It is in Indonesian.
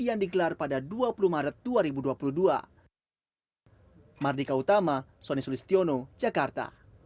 yang digelar pada dua puluh maret dua ribu dua puluh dua